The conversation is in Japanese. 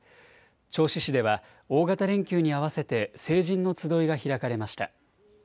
銚子市では大型連休に合わせて、成人のつどいが開かれました。